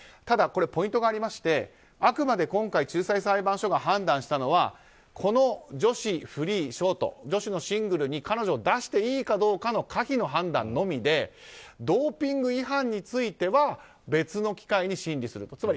ただ、ポイントがありましてあくまで今回仲裁裁判所が判断したのはこの女子フリー、ショート女子のシングルに彼女を出していいかどうかの可否の判断のみでドーピング違反については別の機会に審理すると。